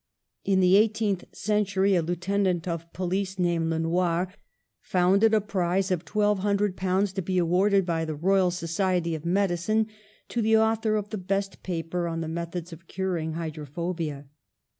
In the eighteenth century a Lieutenant of Police 161 162 PASTEUR named Lenoir founded a prize of twelve hun dred pounds, to be awarded by the Royal So ciety of Medicine to the author of the best paper on the methods of curing hydrophobia.